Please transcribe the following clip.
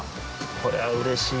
これはうれしい。